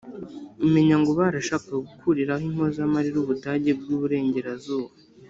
umenya ngo barashakaga gukuriraho impozamarira ubudage bw' iburengerazuba